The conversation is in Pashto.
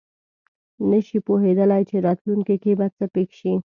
نه شي پوهېدلی چې راتلونکې کې به څه پېښ شي.